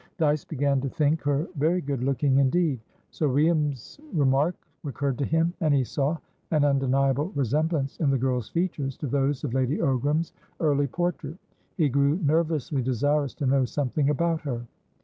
Dyce began to think her very good looking indeed. Sir William's remark recurred to him, and he saw an undeniable resemblance in the girl's features to those of Lady Ogram's early portrait. He grew nervously desirous to know something about her.